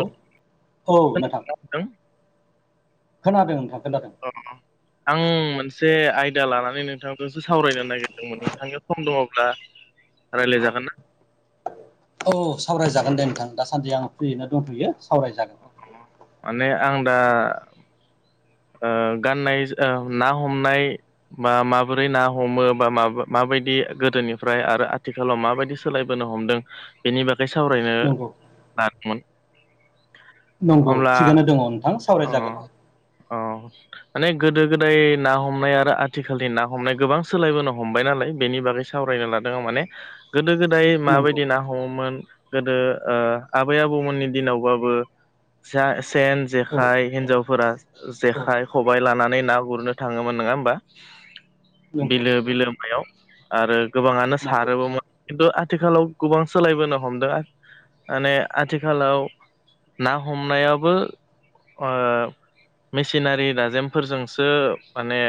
औ औ नोंथां। हथ‌ खोनादों नोंथां खोनादों। द [unintelligible] आं मोनसे आयदा लानानै नोंथांखौसो सावरायनो नागिरदोंमोन नोंथांनि सम दङब्ला? रायज्लायागोन? औ सावरायजागोन दे नोंथां दासान्दि आं फ्रियनो दोनथ'यो सावरायजागोन। माने आं दा। गाननाय ना हमनाय माबोरै ना हमो बा माब माबायदि गोदोनिफ्राय आरो आथिखालाव माबायदि सोलायबोनो हमदों बेनि बागै सावरायनो नंगौ लााखमोन नंगौ थिगानो दङ नोंथां सावरायजागोन। अ औ। माने गोदो गोदाय ना हमनाय आरो आथिखालनि ना हमनाय गोबां सोलायबोनो हमबाय नालाय बेनि बागै स सावरायनो लादों माने गोदो गोदाय नंगौ माबायदि ना हमोमोन गोदो आबै आबौमोननि दिनावबाबो जा सेन औ जेखाय हिनजावफोरा औ जेखाय खबाइ लानानै ना गुरनो। थाङोमोन नङा होमबा नंगौ बिलो बिलो मायाव आरो गोबाङानो नंगौ सारोबोमोन। खिन्थु आथिखालाव गोबां सोलायबोनो हमदों माने आथिखालाव ना हमनायाबो मेसिनारि दाजेमफोरजोंसो माने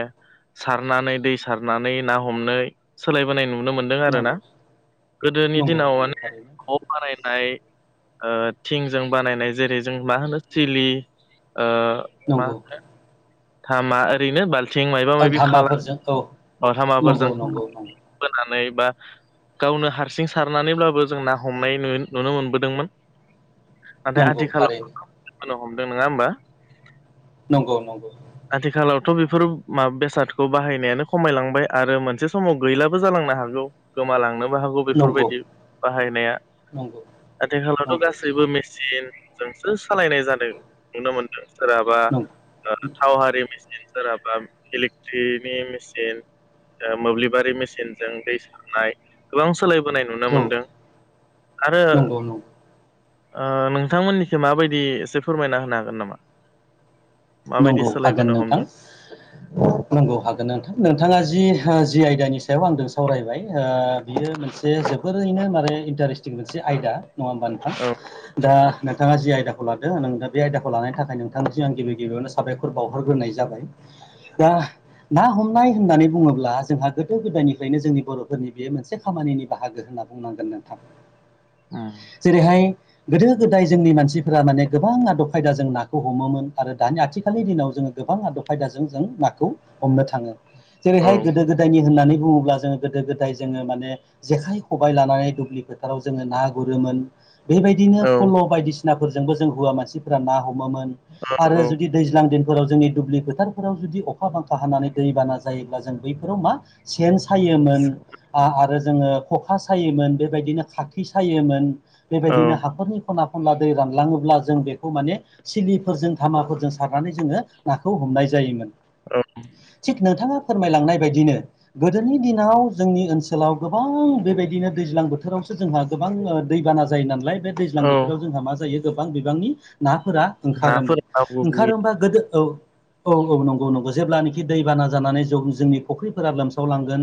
सारनानै दै सारनानै ना हमनो सोलायबोनाय नुनो मोनो। आरोना नंगौ गोदोनि नंगौ नंगौ दिनाव नंगौ माने थारैनो बनाय थिं ज बानायनाय जेरै जों मा होनो थिलि नंगौ। धामा ओरैनो बाल्थिं मायबा मायि धामाफोरजों औ खालामो अ नंगौ हामाफोरजों नंगौ नंगौ होनोनानै बा गावनो हारसिं सारनानैब्लाबो जों ना हमनायु नुनो मोनबोदोंमोन। नाथाय नंगौ थारैनो आथिखालावो हमदों नङा होमबा नंगौ नंगौ। आथिखालावथ' बेफोर माबा बेसादखौ बाहायनायानो खमायलांबाय आरो मोनसे समाव गैलाबो जालांनो हागौ। गोमालांनोबो हागौ। नंगौ बेफोरबायदि बाहायनाया नंगौ आथिखालावथ' नंगौ गासैबो मेसिन जोंसो सालायनाय जादों नुनो मोनदों सोरहाबा नंगौ थाव हारि मेसििन सोरहाबा इलेक्ट्रिकनि मेसिन मोब्लिबारि मेसिनजों दै सारनाय गोबां सोलायबोनाय नुनो औ मोनदों आरो। नंगौ नंगौ नोंथांमोननिखौो माबायदि एसे फोरमायना होनो हागोन नामा? माबायदि नंगौ सोलायबोनो हमदों। नगौ हागोन नोंथां नोंथाङा जि जि आयदानि सायाव आंजों सावरायबाय बियो मोनसे जोबोरैनो माने इन्टारेस्टिं मोनसे आयदा नङा होमबा नोंथां औ दा नोंथाङा जि आयदाखौ लादो नों दा बे आयदाखौ लानायनि थाखाय नोंथांनि जि आं गिबि गिबियावनो साबायखर बावहरग्रोनाय जाबाय दा ना हमनाय होननानै बुङोब्ला जोंहा गोदो गोदायनिफ्रायनो जोंनि बर'फोरनि बे मोनसे खामानिनि बाहागो होननानै फ [inaudible] [unintelligible] [inaudible] जेरैहाय- गोदो गोदाय जोंनि मानसिफोरा माने गोबां आदब खायदा जों नाखौ हमोमोन। आरो दानि आथिखालनि दिनाव जोङो गोबां आदब खायदाजों जों नाखौ हमनो थाङो औ जेरैहाय गोदो गोदायनि होननानै बुङोब्ला जोङो गोदो गोदाय जोङो माने जेखाइ खबाय लानानै दुब्लि फोथाराव जोङो ना गुरोमोन बेबायदिनो औ फल' बायदिसिनाफोरजोंबो जों हौवा मानसिफोरा ना हमोमोन आरो औ जुदि दैज्लां दिनफोराव जोंनि दुब्लि फोथारफोराव जुदि अखा बांखा हानानै दैबाना जायोब्ला जों बैफोराव मा सेन सायोमोन आ आरो जोङो खखा सायोमोन बेबायदिनो खाखि सायोमोन औ बेबायदिनो औ हाखरनि खना खनला दै रानलाङोब्ला जों बेखौ माने सिलिफोरजों धामाफोरजों सारनानै जोङो नाखौ हमनाय जायोमोन औ थिक नोंथाङा फोरमायलांनाय बायदिनो गोदोनि दिनाव जोंनि ओनसोलाव गोबां बेबायदिनो दैज्लां बोथोरावसो जोंहा गोबां दैबाना जायो नालाय दैज्लां औ बोथोराव जोंहा मा जायो गोबां बिबांनि नाफोरा ओंखारोमोन नाफोरा ना ओंखार गुरहैयो गोदो औ-औ-औ नंगौ नंगौ जेब्लानोखि दै बाना जानानै ज जोंनि फख्रिफोरा लोमसावलांगोन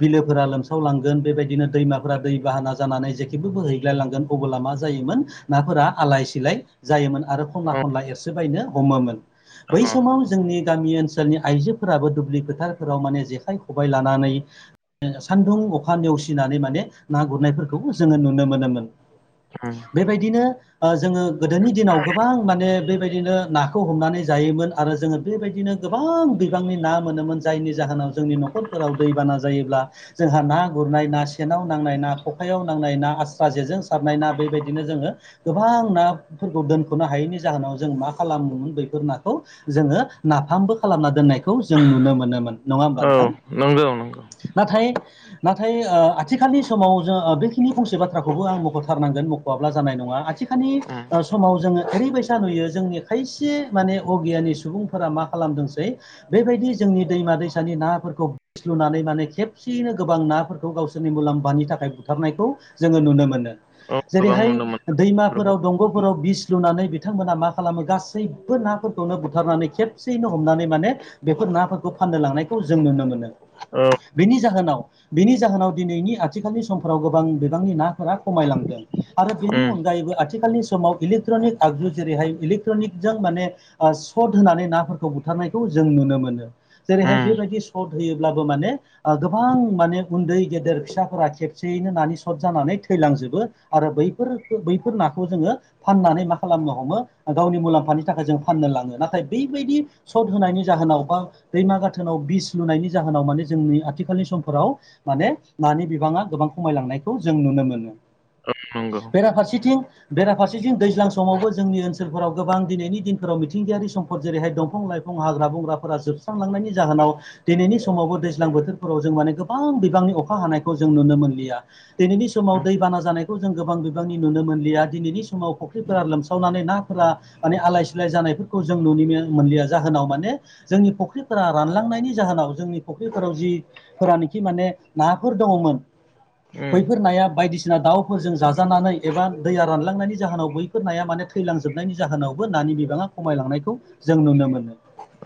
बिलोफोरा लोमसावलांगोन बेबायदिनो दैमाफोरा दै बाहाना जानानै जेखेबो बोहैग्लायलांगोन अबोला मा जायोमोन नाफोरा आलाय सिलाय जायोमोन आरो खना ओं खनला एरसो बायनो हमोमोन बै ओं समाव जोंनि गामि ओनसोलनि आइजोफोराबो दुब्लि फोथारफोराव माने जेखाइ खबाइ लानानै सान्दुं अखा नेवसिनानै माने ना गुरनायफोरखौबो जोङो नुनो मोनोमोन उम बेबायदिनो जोङो गोदोनि दिनाव गोबां माने बेबायदि बिदिनो नाखौ हमनानै जायोमोन आरो जोङो बेबायदिनो गोबां बिबांनि ना मोनोमोन जायनि जाहोनाव जोंनि न' न'खरफोराव दैबाना जायोब्ला जोंहा ना गुरनाय ना सेनाव नांनाय ना खखायाव नांनाय ना आस्रा जेजों सारनाय ना बेबायदिनो जोङो गोबां नाफोरखौ दोनख'नो हायैनि जाहोनाव जों मा खालामोमोन बेैफोर नाखौ जोङो नाफामबो खालामना दोननाय खौ जों नुनो मोनोमोन नङा होमबा औ नोंथां नंगौ नंगौ नाथाय नाथाय आथिखालनि समाव जों बेखिनि फंसे बाथ्राखौबो आं मख'थारनांगोन मख'आब्ला जानाय नङा आथि खालनि उम समाव जोङो ओरैबायसा नुयो जोंनि खायसे माने अगियानि सुबुंफोरा मा खालामदोंसै बेबायदि जोंनि दैमा दैसानि नाफोरखौ बिस लुनानै माने खेबसेयैनो गोबां नाफोरखौ गावसोरनि मुलाम्फानि थाखाय बुथारनायखौ जोङो नुनो मोनो औ गोबां जेरैहाय नुनो मोनो बेफोरखौ दैमाफोराव दंग'फोराव बिस लुनानै बिथांमोना मा खालामो गासैबो नाफोरखौनो बुथारनानै खेबसेयैनो हमनानै माने बेफोर नाफोरखौ फाननो लांनायखौ जों नुनो मोनो औ बेनि जाहोनाव बेनि जाहोनाव दिनैनि आथिखालनि समफोराव गोबां बिबांनि नाफोरा खमायलांदों आरो बेनि उम अनगायैबो आथिखालनि समाव इलेक्ट्रनिक आगजु जेरैहाय इलेकट्रनिक जों माने सट होनानै नाफोरखौ बुथारनायखौ जों नुनो मोनो जेरैहाय उम बेबायदि सर्ट होयोब्लाबो माने गोबां माने उन्दै गेदेर फिसाफोरा खेबसेयैनो नानि सथ जानानै थैलांजोबो आरो बैफोर बैफोर नाखौ जोङो फाननानै मा खालामनो हमो गावनि मुलाम्फानि थाखाय जों फाननो लाङो नाथाय बैबायदि सट होनायनि जाहोनाव बा दैमा गाथोनाव बिस लुनायनि जाहोनाव माने जोंनि आथिखालनि समफोराव माने नानि बिबाङा गोबां खमायलांनायखौ जों नुनो मोनो ओम नोंगौ। बेराफारसेथिं बेराफारसेथिं दैज्लां समावबो जोंनि ओनसोलाव ओनसोलफोराव गोबां दिनैनि दिनफोराव मिथिंगायारि सम्पद जेरैहाय दंफां लाइफां हाग्रा बंग्राफोरा जोबस्रांलांनायनि जाहोनाव दिनैनि समावबो दैज्लां बोथोरफोराव जों माने गोबां बिबांनि अखा हानायखौ जों नुनो मोनलिया। दिनैनि समाव उम दैबाना जानायखौ जों गोबां बिबांनि नुनो मोनलिया दिनैनि समाव फुख्रिफोरा लोमसावनानै ना फोरा माने आलाय सिलाय जानायफोरखौ जों नुनि मोनलिया जाहोनाव माने जोंनि फुख्रिफोरा रानलांनायनि जाहोनाव जोंनि फुख्रिफोराव जि फोरानोखि माने नाफोर दङमोन उम बैफोर नाया बायदिसिना दाउ फोर जों जाजानानै एबा दैया रानलांनायनि जाहोनाव बैफोर नाया मानि थैलां जोबनायनि जाहोनावबो नानि बिबाङा खमायलांनायखौ जों नुनो मोनो।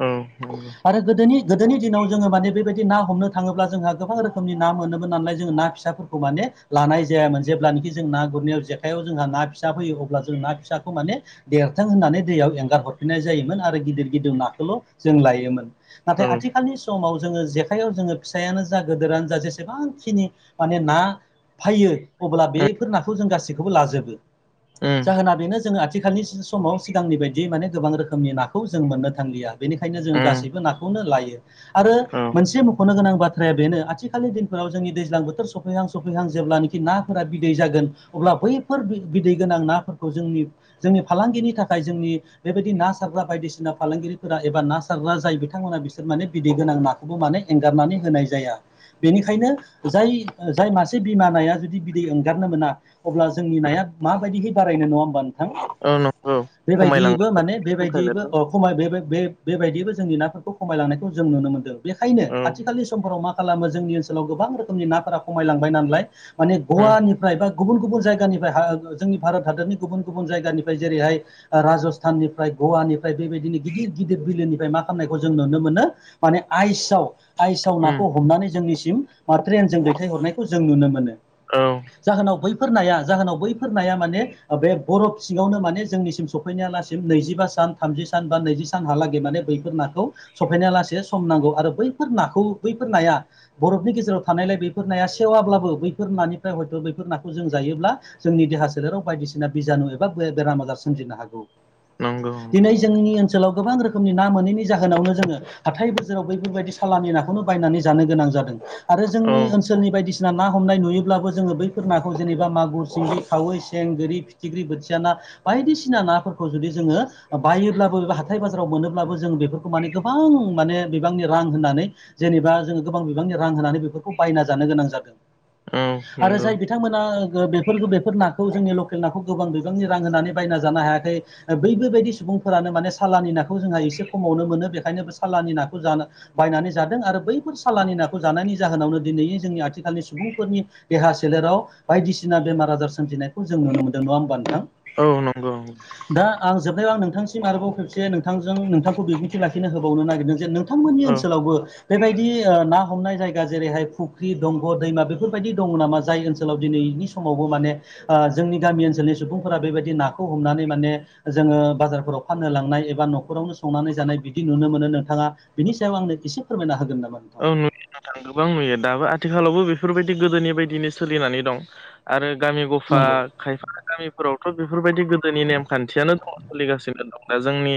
औ नोंगौ। आरो गोदोनि गोदोनि दिनाव जोङो माने बेबायदि ना हमनो थाङोब्ला जोंहा गोबां रोखोमनि ना मोनोमबो नालाय जोङो ना फिसाफोरखौ माने लानाय जायामोन जेब्लानोखि जों ना गुरनायाव जेखाइायाव जोंहा ना फिसा फैयो अब्ला जों ना फिसाखौ माने देरथों होननानै दैयाव एंगार हरफिननाय जायोमोन आरो गिदिर गिदिर नाखौल' जों लायोमोन। नाथाय औ आथिखालनि समाव जोङो जेखाइायाव जोङो फिसायानो जा गदोरानो जा जेसेबांखिनि माने ना फैयो अब्ला उम बेफोर नाखौ जों गासैखौबो लाजोबो उम जाहोना बेनो जोंना आथिखालनि समाव सिगांनि बायदि माने गोबां रोखोमनि नाखौ जों मोननो थांलिया। बेनिखायनो जोङो उम गासैबो नाखौनो लायो आरो औ मोनसे मख'नो गोनां बाथ्राया बेनो आथिखालनि दिनफोराव जोंनि दैज्लां बोथोर सफैहां सफैहां जेला नाफोरा बिदै जागोन अब्ला बैफोर बिदै गोनां नाफोरखौ जोंनि जोंनि फालांगिनि थाखाय जोंनि बेबायदि ना सारग्रा बायदिसिना फालांगिरिफोरा एबा ना सारग्रा जाय बिथांमोना बिसोर माने बिदै गोनां ना खौबो माने एंगारनानै होनाय जाया बेनिखायनो जाय जाय मासे बिमानाया जुदि बिदै ओंगारनो मोना अब्ला जोंनि नाया माबायदियै बारायनो नङा होमबानो औ नंगौ खमायलांगासिनो बेबायदियैबो माने बेबायदियैबो दंखायोनोथ' अ खमाय बे बे बेबायदियबो जोंनि नाफोरखौ खमायलांनायखौ जों नुनो मोनदों बेखायनो औ आथिखालनि समफोराव मा खालामो जोंनि ओनसोलाव गोबां रोखोमनि नाफोरा खमायलांबाय नालाय माने उम गवानिफ्राय बा गुबुन गुबुन जायगानिफ्राय जोंनि भारत हादरनि गुबुन गुबुन जायगानिफ्राय जेरैहाय राजस्थाननि गवानिफ्राय बेबायदिनो गिदिर गिदिर बिलोनिफ्राय मा खालामनायखौ जों नुनो मोनो माने आइसआव‌ आइसआव उम नाखौ हमनानै जोंनिसिम बा ट्रेनजों दैथायहरनायखौ जों नुनो मोनो। औ जाहोनाव बैफोर नाया जाहोनाव बैफोर नाया माने बे बर' सिङावनो माने जोंनिसिम सफैनायालासिम नैजिबा सान थामजि सान बा नैजि सानहालागै माने बैफोर नाखौ सफैनाया लासे सम नांगौ आरो बैफोर नाखौ बैफोर नाया बरफनि गेजेराव थानायलाय बेफोर नाया सेवाब्लाबो बैफोर नानिफ्राय हयथ' बैफोर नाखौ जों जायोब्ला जोंनि देहा सोलेराव बायदिसिना बिज एबा बेराम आजार सोमजिनो हागौ नंगौ नंगौ दिनै जोंनि ओनसोलाव गोबां रोखोम रोखोमनि ना मोनैनि जाहोनावनो जोङो हाथाय बोसोराव बैफोरबायदि सालानि नाखौनो बायनानै जानो गोनां जादों। आरो औ जोंनि ओनसोल ओनसोलनि बायदिसिना ना हमनाय नुयोब्लाबो जोङो बैफोर नाखौ जेनेबा मागुर, सिंगि, खावै, सें, गोरि, फिथिख्रि बोथिया ना बायदिसिना नाफोरखौ जुदि जोङो बायोब्लाबो बे हाथाय बा जारफोराव मोनोब्लाबो जों बेफोरखौ माने गोबां माने बिबांनि रां होननानै जेनेबा जोङो गोबां बिबांनि रां होनानै बेफोरखौ बायना जानो गोनां जादों। औ आरो नंगौ जाय बिथांमोना बे बेफोर नाखौ जोंनि लकेल नाखौ गोबां बिबांनि रां होनानै बायना जानो हायाखै बैफोरबायदि सुबुंफोरानो माने सालानि नाखौ जोंहा एसे खमावनो मोनो बेखायनोबो सालानि नाखौ जानो बायनानै जादों आरो बैफोर सालानि नाखौ जानायनि जाहोनावनो दिनै जोंनि आथिखालनि सुबुंफोरनि देहा सोलेराव बायदिसिना बेमार आजार सोमजिनायखौ जों नुनो मोनदों नङा होमबा नोंथां औ नंगौ दा आं जोबनायाव आं नोंथांसिम आरोबाव खेबसे नोंथांजों नोंथांखौ बिबुंथि लाखिनो होबावनो नागिरदों जे नों बिथांमोननि औ ओनसोलावबो बेबायदि ना हमनाय जायगा जेरैहाय फुख्रि दंग' दैमा बेफोरबायदि दङ नामा जाय ओनसोलाव दिनैनि समावबो माने जोंनि गामि ओनसोलनि सुबुंफोरा बेबायदि नाखौ हमनानै माने जोङो बाजारफोराव फाननो लांनाय एबा न'खरावनो संनानै जानाय बिदि नुनो मोनो नोंथाङा बिनि सायाव आंनो इसे फोरमाय होन नामा? नोंथां [unintelligible] गोबां नुयो दाबो आथिखालावबो बेफोरबायदि गोदोनि बायदिनो सोलिनानै दं आरो गामि ग [unintelligible] नंगौ खायफा खायफा गामिफोरावथ' बेफोरबायदि गोदोनि नेमखान्थियानो दङ सोलिगासिनो दङ दा जोंनि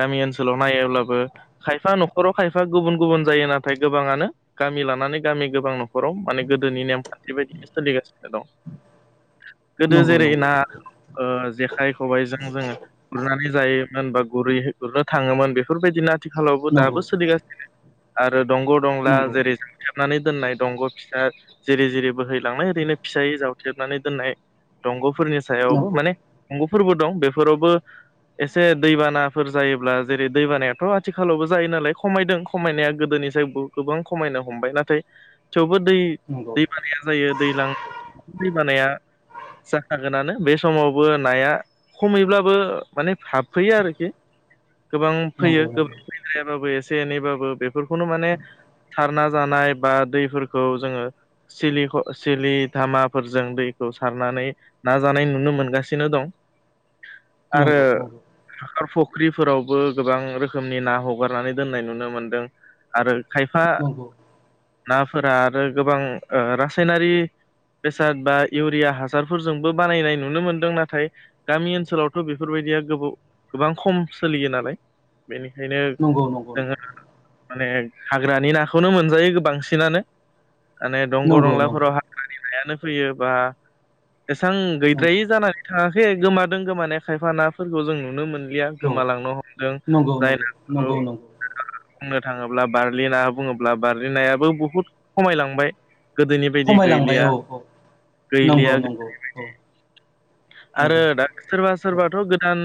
गामि ओनसोलाव नायोब्लाबो खायफा न'खराव खायफा गुबुन गुबुन जायो ना थाय गोबाङानो गामि लानानै गामि गोबां न'खराव माने गोदोनि नेमखान्थि बायदि सोलिगासिनो दङ। गोदो नंगौ जेरै नंगौ ना ओ जेखाइ खबाइजों जोङो गुरनानै जायोमोन बा गुरै गुरनो थाङोमोन बेफोरबायदिनो आथिखालावबो दाबो सोलिगा दंग' दंला जेरै जो थेबनानै दोननाय दंग' फिसा जिरि जिरि बोहैलांनाय ओरैनो फिसायै जाव थेबनानै दोननाय दंग'फोरनि सायावबो नंगौ माने दंग'फोरबो दं बेफोरावबो एसे दैबानाफोर जायोब्ला जेरै दैबानायाथ' आथिखालावबो जायो नालाय खमायदों खमायनाया गोदोनिफ्रायाय गोबां खमायनो हमबाय नाथाय थेवबो दै दैबानाया जायो दैलां दैबानाया जाखागोनानो बे समावबो नाया खमैब्लाबो माने हाबफैयो आरोखि गोबां नंगौ फैयो गोबां फै जायाबाबो एसे एनैबाबो बेफोरखौनो माने सारना जानाय बा दैफोरखौ जोङो सिलि ख सिलि धामाफोरजों दैखौ सारनानै नाजानाय नुनो मोनगासिनो दं आरो नंगौ हाखार फुख्रिफोरावबो गोबां रोखोमनि ना हगारनानै दोननाय नुनो मोनदों आरो खायफा नंगौ नंगौ नाफोरा आरो गोबां ओ रासायनारि बेसाद बा इउरिया हासारफोरजोंबो बानायनाय नुनो मोनदों नाथाय गामि ओनसोलावथ' बेफोरबायदिया गोबाव गोबां खम सोलियो नालाय बेनिखायनो नंगौ नोंथां नोङो माने हाग्रानि नाखौनो मोनजायो बांसिनानो माने दंग' नंगौ नंगौ दंलाफोराव हा [unintelligible] नायानो फैयो बा एसां नंगौ गैद्रायै जानानै थाङाखै गोमादों गोमानाय खायफा नाफोरखौ जों नुनो मोन गैया औ गोमालांनो हमदों नंगौ नंगौ जायना नंगौ [unintelligible] नंगौ बुंनो थाङोब्ला बारलिना बुङोब्ला बारलिनायाबो बुहुद खमायलांबाय गोदोनि बिदि खमायलांबाय गैलिया औ औ नंगौ गैलिया नंगौ औ आरो नंगौ दा सोरबा औ सोरबाथ' गोदान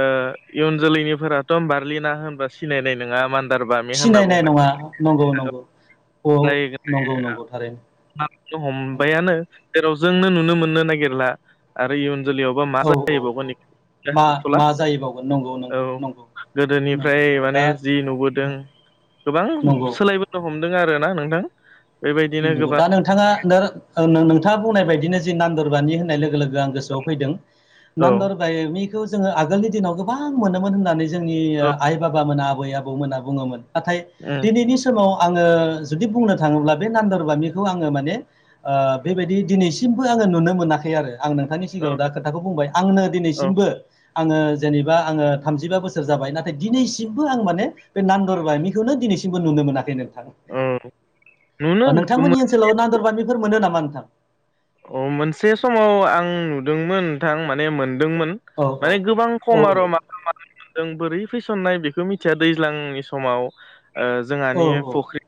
ओ इयुन जोलैनिफोराथ' बारलिना होनबा सिनायनाय नोङा मान सिनायनाय नङा नंगौ नंगौ औ नंगौ नंगौ [unintelligible] थारैनो नंगौ हमबायानो जेराव जोंनो नुनो मोननो नागिरला आरो इयुन जोलैयावबा मा औ औ जाहैबावगोन मा हाथ'ला मा जायोबावगोन नंगौ नंगौ औ नंगौ नंगौ गोदोनिफ्राय नंगौ माने दा जि नुबोदों गोबां नंगौ सोलायबो हमदों आरो ना नोंथां बेबायदिनो नोंग' गोबां दा नोंथाङा नोर ओ नो नो नोंथाङा बुंनाय बायदिनो जे नान्दोरबानि होननाय लोगो लोगो आं गोस सो आव फैदों औ नान्दार जोङो आगोलनि दिनाव गोबां मोनोमोन होननानै जोंनि औ आइ बाबाोना आबै आबौमोना बुङोमोन नाथाय उम दिनैनि समाव आङो जुदि बुंनो थाङोब्ला। बे नान्दर बामिखौ आङो माने ओ बेबायदि दिनैसिमबो आङो नुनो मोनाखै आरो। आं नोंथांनि औ सिगाङाव दा खोथाखौ बुंबाय आंनो औ दिनैसिमबो आङो जेनेबा आङो थामजिबा बोसोर जाबाय नाथाय दिनैसिमबो आं माने बे नांन्द'रबामि खौनो दिनैसिमबो नुनो मोनाखै नोंथां ओम नोंथांमोननि ओनसोलाव नादोरबानिफोर मोनो नामा नोंथां? अ मोनसे समाव आं नुदोंमोन नोंथां माने मोनदोंमोन औ औ माने गोबां औ खम आर' मा [unintelligible] जों बोरै फेसननाय बेखौ मिथिया दैज्लांनि समाव ओ औ जोंहानि औ फुख्रि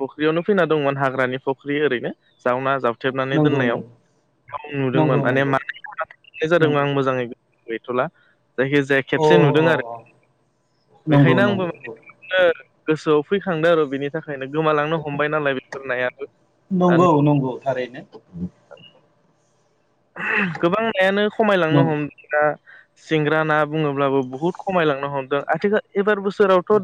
फुख्रियावनो फैना दंमोन हाग्रानि फुख्रि ओरैनो जावना जावथेबनानै नंगौ दोननायाव नंगौ नुदोंमोन नंगौ माने नंगौ मनाय जादोंमोन नंगौ आं मोजाङै गैथ'ला जायखिजाया अ खेबसे नुदों अ आरो अ नंगौ बेखायनो आंबो नंगौ बि औ गोसोआव फैखांदों आरो बिनि थाखायनो गोमालांनो हमबाय नालाय बेफोर नायाबो नंगौ नंगौ थारैनो। गोबां नायानो खमायलांनो नंगौ हमदों ना सिंग्रा ना बुङोब्लाबो बुहुत खमायलांनो हमदों आथिखाल एबार बोसोरावथ'